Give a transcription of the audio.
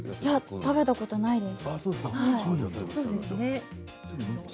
食べたことないです。